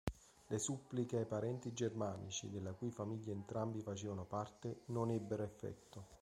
Le suppliche ai parenti Germanici della cui famiglia entrambi facevano parte, non ebbero effetto.